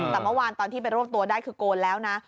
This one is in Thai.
แต่เมื่อวานตอนที่ไปรวบตัวได้คือโกนแล้วนะ